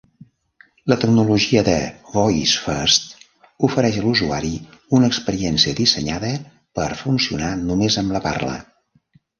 La tecnologia de Voice First ofereix a l'usuari una experiència dissenyada per funcionar només amb la parla.